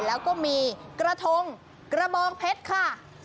แล้วก็มีกระทงกระบองเพชรค่ะ